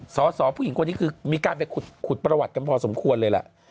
ทราสาพอิงคนนี้คือมีการมีคุดคุดประวัติกันพอสมควรเลยล่ะ